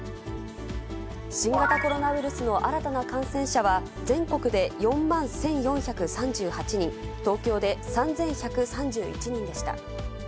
新型コロナウイルスの新たな感染者は、全国で４万１４３８人、東京で３１３１人でした。